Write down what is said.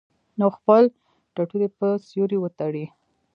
نو خپل ټټو دې پۀ سيوري وتړي -